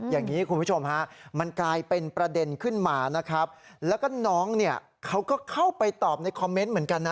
อย่างนี้คุณผู้ชมฮะมันกลายเป็นประเด็นขึ้นมานะครับแล้วก็น้องเนี่ยเขาก็เข้าไปตอบในคอมเมนต์เหมือนกันนะ